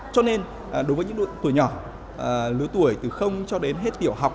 cho nên đối với những lứa tuổi nhỏ lứa tuổi từ không cho đến hết tiểu học